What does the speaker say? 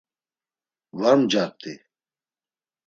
Var mcart̆i.